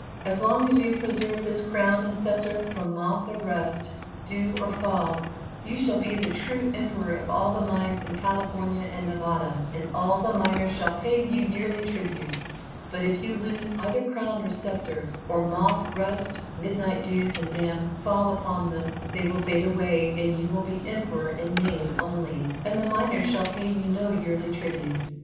"As long as you preserve this crown and scepter from moth or rust, dew or fog, you shall be the true emperor of all the mines in California and Nevada, and all the miners shall pay you yearly tribute, but if you lose either crown or scepter, or moth, rust, midnight dews and damps fall upon them, they will fade away, and you will be emperor in name only, and the miners shall pay you no yearly tribute."